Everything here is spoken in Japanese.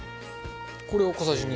これを小さじ２？